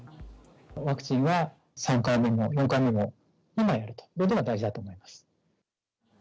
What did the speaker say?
ワクチンは３回目も４回目も今やるということが大事だと思います。